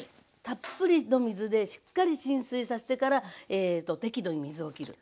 たっぷりの水でしっかり浸水させてからえっと適度に水をきる。